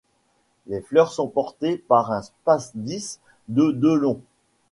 Les fleurs sont portées par un spadice de de long.